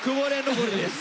残りです。